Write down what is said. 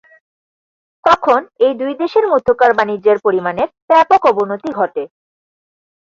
তখন এই দুই দেশের মধ্যকার বাণিজ্যের পরিমানের ব্যাপক অবনতি ঘটে।